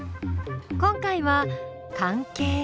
今回は「関係」。